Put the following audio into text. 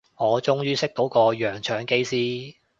我終於識到個洋腸機師